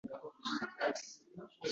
Nima kiyib boraman